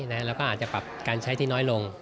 แล้วก็อาจจะปรับการใช้ที่น้อยลง